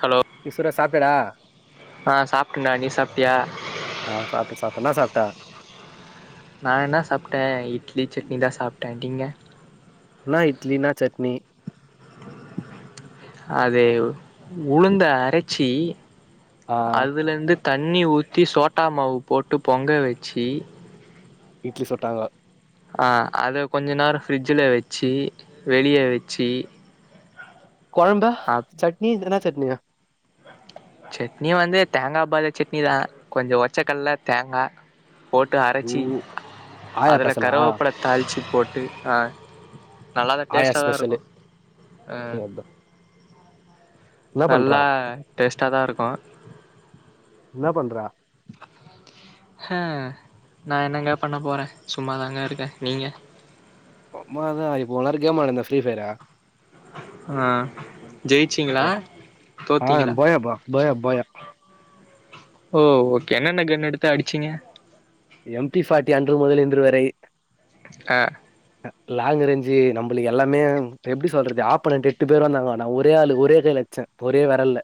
hello பிசுற சாப்ட்டானா ஆ சாப்ட்டேன்டா நீ சாப்ட்டியா ஆ சாப்ட்ட சாப்ட்ட என்ன சாப்ட்ட நா என்ன சாப்ட்ட இட்லி சட்னிதா சாப்பிட்ட நீங்க நா இட்லினா சட்னி அது உளுந்த அரைச்சி ஆ அதுலந்து தண்ணி ஊத்தி சோட்டா மாவு போட்டு பொங்க வெச்சி இட்லி சுட்டாங்க ஆ அத கொஞ்ச நேரோ ஃபரிட்ஜில வெச்சி வெளிய வெச்சி கொழம்ப சட்னி இதுனா சட்னியா சட்னி வந்து தேங்கா பாத சட்னிதா கொஞ்சோ ஒச்சகல்ல தேங்கா போட்டு ஓ அரச்சி ஆயா அதுல பெசலா கருவேப்பல தாளிச்சு போட்டு ஆ நல்லாதா ஆயா டேஸ்ட்டாதா ஸ்பெஷலு இருக்கு ஆ என்ன பண்ற நல்லா டேஸ்ட்டா தா இருக்கு என்ன பண்ற ஹ் நா என்னங்க பண்ண போற சும்மாதாங்க இருக்க நீங்க ஒம்மாதா இப்போ வெளாடுற கேம் அந்த ஃப்ரீ ஃபயரா ஆ ஜெயிச்சீங்ளா ஆ போய பா போயா போயா ஓ ஓகே என்னென்ன கன் எடுத்து அடிச்சிங்க எம்ட்டி ஃபார்டி அன்று முதல் இன்று வரை ஆ லேப் அரேன்ஜு நம்மளுக்கு எல்லாமே எப்டி சொல்றது ஆப்பொனென்ட்டு எட்டு பேர் வந்தாங்க நா ஒரே ஆள் ஒரே கைல அச்ச ஒரே வெரல்ல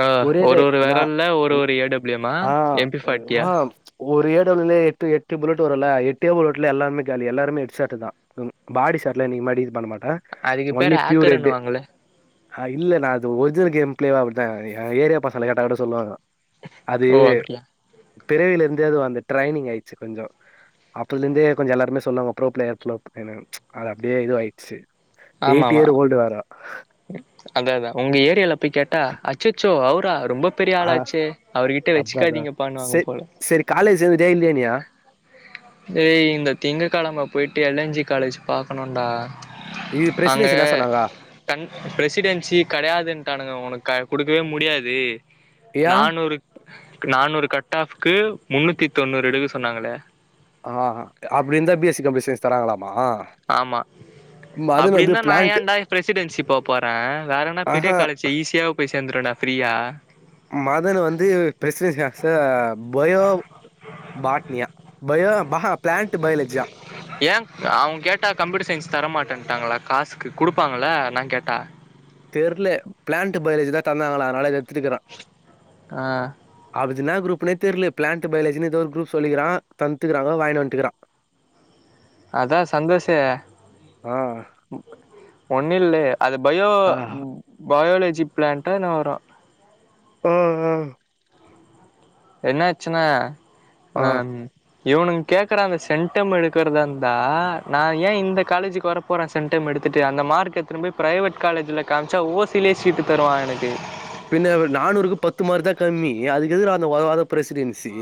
ஆ ஒரே ரே ஒரு ஒரு நா வெரல்ல ஒரு ஒரு ஏ டபிள்யூமா ஆ எம்பி ஃபாட்டியா ஆஹ் ஒரே ஏடோல்லே எ எட்டு புல்லட் வருல எட்டே புல்லட்ல எல்லாமே காலி எல்லாருமே ஹெட் ஷாட்தா ம் பாடி தெர்ல இன்னைக்கு மாரி இது பண்ண மாட்ட அதுக்கு ஒன்லி பேர் பியூர் ரெட்டு ஹேக்கர்ன்னுவாங்கள ஆஹ் இல்ல நா அது ஒரிஜினல் கேம் பிளேவே அப்டிதா என் ஏரியா பசங்கள கேட்டா கூட சொல்லுவாங்கோ அது ஓ அப்டியா பிறவில இருந்தே அது அந்த ட்ரைனிங் ஆயிருச்சு கொஞ்சோ அப்போதுல இந்தே கொஞ்சோ எல்லாருமே சொல்லுவாங்க ப்ரோ பிளேயர் ப்ரோ பிளேயர்னு அது அப்டியே இதுவாயிச்சு எயிட் இயர் ஓல்டு வேற ம் அதா அதா உங்க ஏரியால போய் கேட்டா அச்சச்சோ அவுரா ரொம்ப பெரிய ஆ ஆளாச்சே அவர்கிட்ட அதான் அதான் வெச்சுக்காதீங்கப்பானு வாங்க சரி போல சரி காலேஜ் சேர்ந்துட்டியா இல்லையா டே இந்த திங்கக்கிழம போயிட்டு எல் என் ஜி காலேஜ் பாக்கணுன்டா இது அங்க பிரசிடென்சி என்ன சொன்னாங்கோ கண் பிரசிடென்சி கெடையாதுன்ட்டானுங்க உனக்கு குடுக்கவே முடியாது ஏன் நானூறுக் நானூறு கட் ஆஃப்க்கு முன்னூத்தி தொண்ணூறு எடுக்க சொன்னாங்ளே ஆ அப்டி இந்தா B S C computer science தராங்ளா ஆமா மதன் அப்டி வந்து இருந்தா நா பிளான்ட் ஏன்டா பிரெசிடென்சி போ போற வேற என்னா பெரிய ஆஹா காலேஜ் ஈஸியா போய் சேர்ந்துருவனே ஃப்ரீயா மதன் வந்து பிரெசிடென்சி ஆக்ச பயோ பாட்னியா பயோ ம்ஹுபிளான்ட் பயாலஜியா ஏன் அவுங்க கேட்டா கம்ப்யூட்டர் சயின்ஸ் தர மாட்டேன்ட்டாங்ளா காசுக்கு குடுப்பாங்கள்ள நா கேட்டா தெர்ல பிளான்ட் பயாலஜிதா தந்தாங்ளா அதனால இது எத்துக்கிறான் ஆ ஆபிஸ் இது என்னா குரூப்னே தெர்ல பிளான்ட் பயாலஜினு எதோ ஒரு குரூப் சொல்லிக்கிறான் தண்ட்டு இருக்கிறாங்கோ வாங்கினு வந்ட்டுருக்கா அதான் சந்தோஷு ஆ ஒண்ணு இல்ல அது பயோ ஆ பயோலஜி பிளான்டோ வரு அஹ் அஹ் என்ன ஆச்சுன்னா ஆ அம் இவனுங் கேட்கற அந்த சென்டம் எடுக்கிறதா இருந்தா நான் ஏ இந்த காலேஜுக்கு வர போறே சென்டம் எடு எத்துட்டு அந்த மார்க் எடுத்தினு போய் பிரைவேட் காலேஜ்ல காம்ச்சா ஓசிலே சீட்டு தருவா எனக்கு பின்ன நானூறுக்கு பத்து மார்க்தா கம்மி அதுக்கு எதுக்குடா அந்த உதவாத பிரசிடென்சி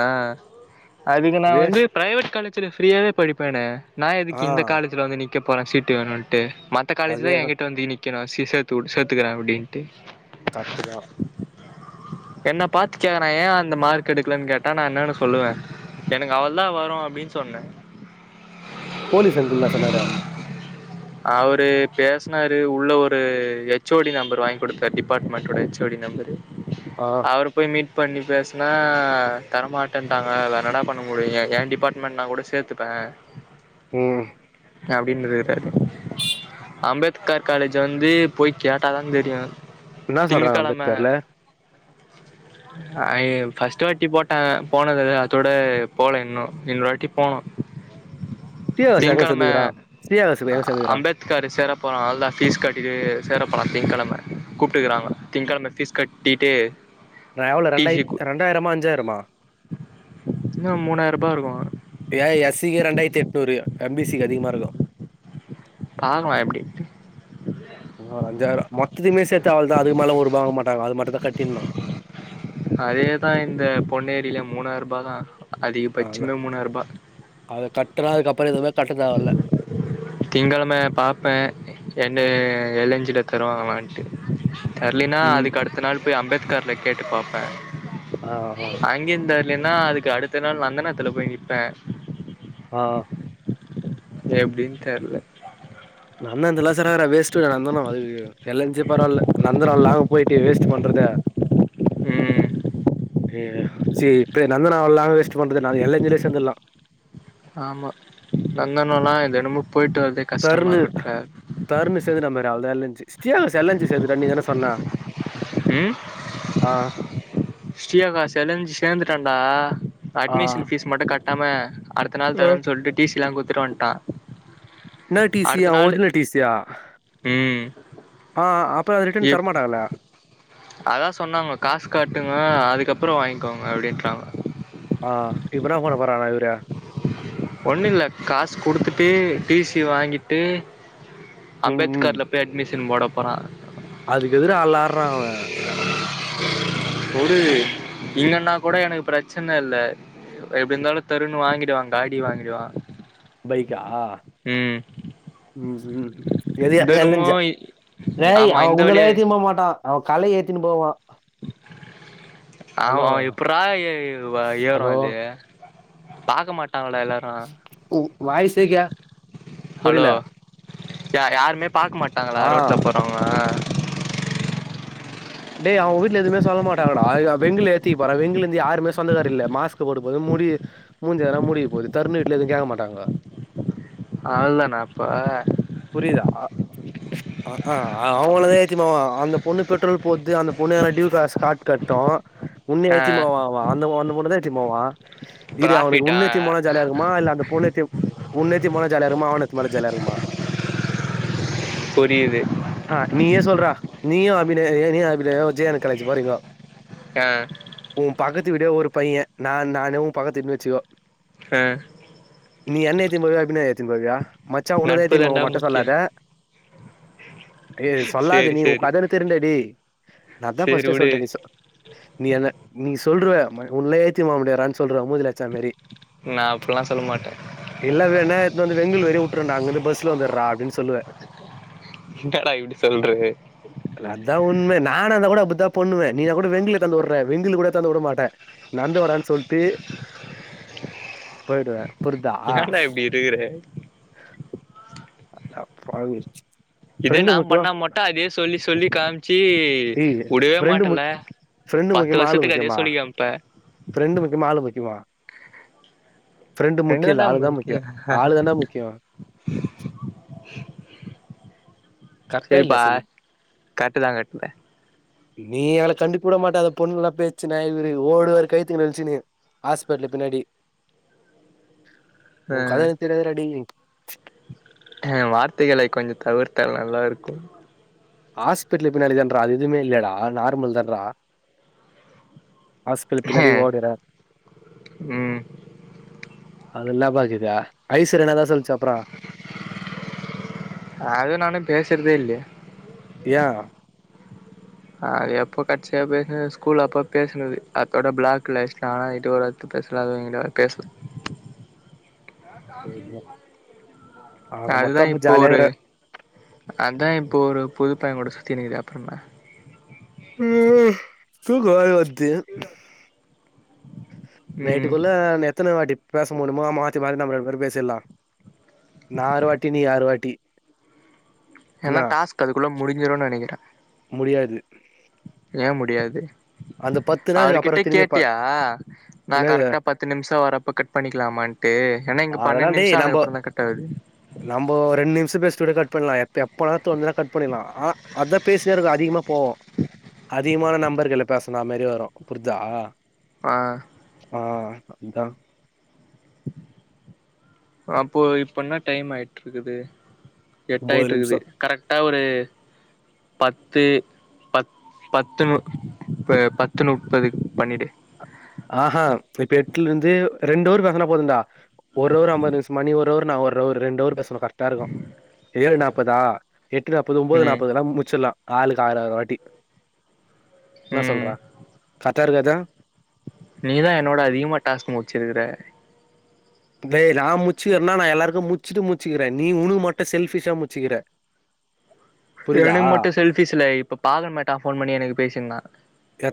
ஆ அதுக்கு நா வந்து வேஸ்ட் பிரைவேட் காலேஜ்ல ஃப்ரீயாவே படிப்பேனே நா எதுக்கு ஆ இந்த காலேஜ்ல வந்து நிக் க போறே சீட்டு வேணுன்ட்டு மத்த காலேஜ்தா அதேதான் என்கிட்ட வந்து நிக்கணு சி சேத்துவிடு சேத்துக்குரே அப்டின்ட்டு கர்ட்டுதா என்ன பாத்துக் கேக்குறா ஏ அந்த மார்க் எடுக்கலன்னு கேட் ட்டா நா என்னன்னு சொல்லுவே எனக்கு அவ்ளதா வரு அப்டின்னு சொன்னே போலீஸ் அங்கிள் என்ன சொன்னாரு அவரு பேசுனார் உள்ள ஒரு ஹெச் ஓ டி நம்பர் வாங்கி குடுத்தார் டிபார்ட்மெண்டோட ஹெச் ஓ டி நம்பரு ஆ அவரு போய் மீட் பண்ணி பேசுனா தரமாட்டேன்டாங்க வேற என்னடா பண்ண முடியு என் டிபார்ட்மெண்ட்னா கூட சேத்துப்பே ம் [unintelligible] அம்பேத்கர் காலேஜ் வந்து போய் கேட்டாதா தெரியு என்ன சொல்றாங்க அம்பேத்கர்ல ஐ ஃபர்ஸ்ட்டுவாட்டி அ போனது அதோட போல இன்னு இன்னொரு வாட்டி போனு சீனிவாசா எங்க சேந்துருக்குறா ஸ்ரீ அம்பேத்கரு சேர போறே அவ்ளதா ஃபீஸ் கட்டிட்டு சேர திங்கிழம கூப்பிட்டுக்குறாங்க திங்கிழம பீஸ் கட்டிட்டு நா எவ்ளோ டிசி ரெண்டாயிரத் ரெண்டாயிரமா அஞ்சாயிரமா இன்னு மூணாயிரரூபா இருக்கு ஏ எஸ்சிக்கு ரெண்டாயிரத்தி எட்நூறு எம் பி சி க்கு அதிகமா இருக்கு பாக்கலா எப்டின்ட்டு மொத்தத்துக்குமே சேத்து அவ்ளதா அதுக்கு மேலே ஒரு ரூபா வாங்க மாட்டாங்க அது மட்டுந்தா கட்டினு அதேதா இந்த பொன்னேரியில மூணாரூபாதா அதிகபட்சமே மூணாயிர ரூபா கட்டுற அதுக்கு அப்புற எதுமே கட்டத் தேவையில்ல திங்கிழம பாப்பே என்ன எல் என் ஜில தருவாங்களான்ட்டு தர்லேனா ம் அதுக்கு அடுத்த நாள் போய் அம்பேத்கர்ல கேட்டு பாப்பே ஆ ஆ அங்கேயு தர் இல்லேன்னா அதுக்கு அடுத்த நாள் நந்தனத்துல போய் நிப்பே ஆ எப்டின்னு தெர்ல நந்தனத்துலா சேராதடா வேஸ்ட்டு நந்தனோ அய்யயோ எல் என் ஜியே பரவால்ல நந்தனோ லாங் போய்ட்டு வேஸ்ட் பண்றத ம் செரி இப்ப நந்தனோ லாங் வேஸ்ட் பண்றது நா எல் என் ஜிலே சேந்துர்லா ஆமா நந்தநோல்லா இதனமோ தருனு தருனு சேந்துட்டா பாரு அவ்வளவதா L N G [inaudible] L N G சேந்துட்டா நீ தான சொன்னா அ Sri Akash L N G சேந்துட்டடான்டா ஆ அட்மிஷன் பீஸ் மட்டும் கட் நம்ம அடுத்த நாள் ஆ தரேன்னு சொல்ட்டு டீசில்லா குடுத்துட்டு வன்ட்டா என்னா டீசியா அடுத்த நாளு ஓர்ஜினல் டீசியா ம் ரிட்டர்ன் எப் தரமாட்டாங்களா அதா சொன்னாங்கோ காசு கட்டுங்க அது அதுக்கப்பறோ வாங்கிக்கோங்க அப்டின்றாங்க ஆ இப்போ என்னா பன்னப் போராரா இவரு ஒன்னு இல்ல காஸ் குடுத்துட்டு டீசி வாங்கிட்டு ம் ம் அம்பேத்கர்ல போய் அட்மிஷன் போட போறா அதுக்கு எதுடா அல்லார்ரா அவன் இல்லன்னா கூட எனக்கு பிரச்சன இல்ல எப்டி இருந்தாலும் தருனு வாங்கி [unintelligible] டுவான் காடி வாங்கிடுவா பைக்கா ம் ம் ம் எது எல தினமு எலஞ்சா யேய் ஆமா அவன் இந்த உன்னல வழியா ஏத்தின் போ மாட்டா அவன் கலைய ஏத்தின்னு போவா அவ ஹலோ அவன் எப்புற்றா ஏறும் ஹலோ அது பாக்க மாட்டாங்களா எல்லாரு வாய்ஸே கே ஹலோ புரியல யா யாருமே பாக்க மாட்டாங்களா ஆ ரோட்ல போறவங்க டேய் அவன் வீட்ல எதுமே சொல்ல மாட்டாங்கடா வெங்லு ஏத்திப்பற வெங்குல்ல இருந்து யாரும் சொந்தக்கார இல்ல மாஸ் போட்டு போது மூடி மூஞ்ஜலா மூடி போகுது தருணு வீட்ல எதும் கேக்க மாட்டாங்கோ அவ்ல தானா அப்போ புரியுதா அ அ [unintelligible] அவங்களதான் ஏத்தின்னுபோவா அந்த பொண்ணு பெட்ரோல் போத்து அந்த பொண்ணு டீயூ காஸ் காட் கட்டோம் ஒன்னே ஆ ஏத்திபோவான் அவன் அந்த பொன் பொன்னதான் யேத்திப்போவான் இரு அவனுக்கு ப்ராஃபிட்டா உன்னேத்திபோமாம் ஜாலியா இருக்குமா இல்ல அந்த பொண்ணேத்திப் உன்னேத்திபோனா ஜாலியா இருமா அவன ஏத்தினுபோனா ஜலியா இருமா புரீது நீயும் அபிநயம் நீ அபிநயம் விஜயன் காலேஜ் போறீங்கோ ஆ உன் பக்கத்து விடு ஒரு பைய நான் நானு பக்கத் வீடு வெச்சுக்க ஆ நீ என்ன ஏத்திம் போவியா அபினயா ஏத்திம் போவியா மச்சா உன்னது நட்பு ஏத்தின் தாண்டா போம் மட்டும் முக்கியோ சொல்லாத டேய் சொல்லாத சேரி நீ ஊன் சேரி கதன்னு தெரிண்ட டே நான் தான் சேரி ஃபஸ்ட்டே வுடு சொல்டே நீ சொல் நீ என்ன நீ சொ சொல்றேன் ம உன்னே ஏத்தின் போ முடியாறான்னு சொல்றன் மூஞ்ஞிலச்சா மேரி நான் அப்புல்லா சொல்லமா இல்ல வேணா இட்னு வந்து வெங்ளூர் வரையும் வுட்றேன்டா அங்கந்து பஸ்ல வந்துற்றா அப்டின்னு சொல்லுவே என்னடா இப்டி சொல்ற இல்ல அதான் உன்ம நானா நான் கூட அப்புத்தான் பண்ணுவே நீ கூட வெங்ல இட்டாந்து வுடுற வெங்கல் கூட வந்து உடமாட்டே நடன்ந்து வாடான் சொல்ட்டு போய்டுவே புர்தா அ ஏன்டா இப்டி இருக்குற பாவி இதே நான் பண்ணா மட்டா அதே சொல்லி சொல்லி காம்ச்சி டேய் வுடவே ஃப்ரெண்டு மாட்டல்ல முக் ஃப்ரெண்டு பத்து முக்கியமா ஆளு வருஷத்துக்கு அதையே முக்கியமா சொல்லிக் காம்ப்ப ஃப்ரெண்டு முக்கிமா ஆளு முக்கிமா ஃப்ரெண்டு ரெண்டு முக்யல்ல தாண்டா ஆளுதான் முக்கியம் முக்கியோ ஆளு தான் டா முக்கியம் இல்லையா சேரிப்பா சொல்லு கரட்டுதான் கட்னே நீ எங்கள கண்டுக்கூட மாட்ட அந்த பொண்ணு நல்லா பெச்சன இவரு ஓடுவாரு கைத்துக்கு நெழிச்சுனு ஹாஸ்பெட்டல் பின்னாடி ஓன் கதை எனக்கு தெரியாத டேய் அ வார்த்தைகளை கொஞ்சம் தவிர்த்தல் நல்லா இருக்கும் ஹாஸ்பிட்டல் பின்னாடி தான்றா அது எதுமே இல்லடா நார்மல் தான்றா ஆஸ்பில் பின்னாடி ஓடிற ம் அதுல்லா [unintelligible] ப ஆகது அப்டியா ஐஸ்வர்யா என்ணதான் சொல்சாப் அதும் நானும் பேஸ்றதே இல்யே அப்டியா ஆ எப்போ கட்சியா பேசது ஸ்கூல் அப்ப பேசனது அதோட பிளாக் [unintelligible] ஆனாய்யிட்டு ஒரு பேசலாதாங்கிட்ட பேசு ஆக மொத்த அதுதா அப்ப இப்போ ஜாலியா ஒரு இருக்குற அதா இப்போ ஒரு புது பையங்குட சுத்தினு இருக்கிதே அப்ரென்ன தூக்க வேற வர்து ம் நைட்டுக்குள்ள எத்தன வாட்டி பேச முடிமோ மாத்தி மாத்தி நம்ம ரெண்டு பேரு பேசிர்லா நா ஆறுவாட்டி நீ ஆறுவாட்டி ஏனா டாஸ்க் அதுக்குள்ள முடிஞ்சிருன் நெனைக்கிற முடியாது ஏ முடியாது அந்த பத் அவர்கிட்ட கேட்டியா நா என்னது கரெக்டா பத்து நிமிஷோ வர்றப்போ கட் பண்ணிக்லாமான்ட்டு ஏனா இங்க அதெல்லா பன்னென்டு டேய் நிம்ஷோ நம்போ ஆனக்கப்றந்தா கட்டாகுது நம்போ ரெண்டு நிம்ஷோ பேசிட்டு கூட கட் பண்லா எப்பயு அப் பண்லா தோணுதுனா கட் பண்ணிர்லா ஆனா அத பேசிர்கு அதிகமா போவு அதிகமான நம்பர்கள பேசனா மேரி வரு புர்தா ஆ ஆ அதா அப்போ இப்ப என்ன டைம் ஆயிட்ருக்குது ஒம்போது எட்டாயிட்டுக்குது நிமிஷோ கரெக்டா ஒரு பத்து பத் பத்து னு ப பத்துனுப்பதுக்கு பண்ணிடு ஆஹா இப்ப எட்டுலருந்து ரெண்டு அவுர் பேசுனா போதுன்டா ஒரு அவர் அம்பது நிமிஷமா நீ ஒரு அவர் நா ஒரு ஒரு ரென்டவர் பேசனு கரட்டா இருக்கு ஏழு நாப்பதா எட்டு நாப்பது ஒம்போது ம் நாப்பதுனா முடிச்சர்லா ஆளுக்கு ஆயர ஆயர வாட்டி என்ன சொல்ற ம் கரக்டா இருக்காது நீதா என்னோட அதிகமா டாஸ்க் முடிச்சிருக்கற டேய் நா முச்சிகிறனா நா எல்லாருக்கு முச்சிட்டு முச்சுகிறே நீ உனுக்கு மட்டு செல்ஃபிஷா முச்சிகிற எனக்கு மட்டு செல்ஃபிஸ் இல்லே இப்ப பாக்கமட்டா ஃபோன் பண்ணி எனக்கு பேசிருந்தா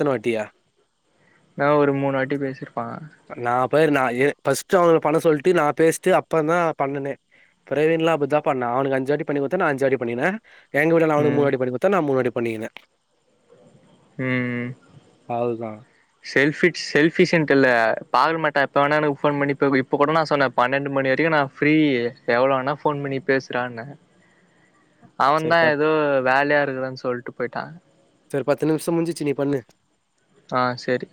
த்தன வாட்டியா நா ஒரு மூணுவாட்டி பேசிருப்பா நா பேரு நா ஏ ஃபர்ஸ்ட் அவுங்ள பண்ண சொல்ட்டு நா பேசிட்டு அப்பற தா நா பண்ணனே பிரவீன்லா அப்டிதா பண்ணா அவனுக்கு அஞ்சிவாட்டி பண்ணி குடுத்த நா அஞ்சிவாட்டி பண்ணின எங்க கூடலா அவுனுக்கு மூணு ம் வாட்டி பண்ணி குத்தா நா மூணு வாட்டி பண்ணிகின ம் அவ்ளதா செல்ஃபி செல்ஃபிஷ்ன்டில்ல பார்மெட்டா எப்ப வேணா எனக்கு ஃபோன் பண்ணி ப்ப இப்ப கூட நா சொன்ன பன்னெண்டு மணிவரைக்கு நா ஃப்ரீ எவ்ள வேனா ஃபோன் பண்ணி பேசுறான்ன சரி அவந்தா பத் எதோ வேலையா இருக்றன் சொல்ட்டு போய்ட்டா சரி பத்து நிமிஷ முடிஞ்சிச்சு நீ பண்ணு ஆ சரி